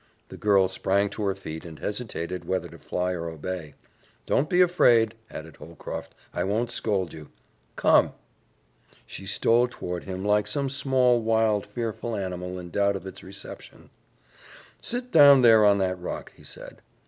The girl sprang to her feet, and hesitated whether to fly or obey. "Don't be afraid," added Holcroft. "I won't scold you. Come!" She stole toward him like some small, wild, fearful animal in doubt of its reception. "Sit down there on that rock," he said.